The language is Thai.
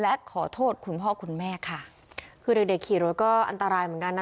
และขอโทษคุณพ่อคุณแม่ค่ะคือเด็กเด็กขี่รถก็อันตรายเหมือนกันนะ